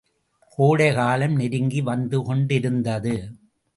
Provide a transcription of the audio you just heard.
கோடைகாலம் நெருங்கி வந்துகொண்டிருந்தது.